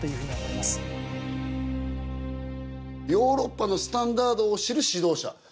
ヨーロッパのスタンダードを知る指導者。